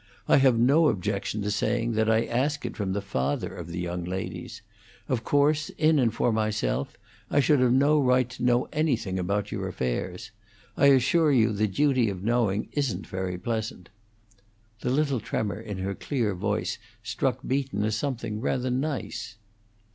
I have no objection to saying that I ask it from the father of the young ladies. Of course, in and for myself I should have no right to know anything about your affairs. I assure you the duty of knowing isn't very pleasant." The little tremor in her clear voice struck Beaton as something rather nice.